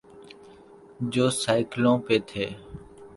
جو سائیکلوں پہ تھے۔